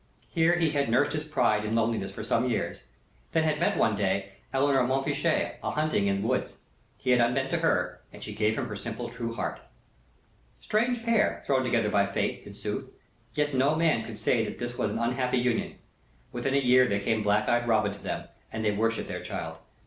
Here he had nursed his pride in loneliness for some years; then had met one day Eleanor Montfichet a hunting in the woods. He had unbent to her, and she gave him her simple, true heart. Strange pair, thrown together by Fate, in sooth; yet no man could say that this was an unhappy union. Within a year came black eyed Robin to them, and they worshipped their child.